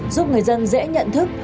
giúp người dân dễ nhận thức